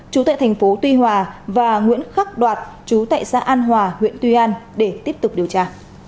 chú tại thành phố tuy hòa và nguyễn khắc đoạt chú tại xã an hòa huyện tuy an để tiếp tục điều tra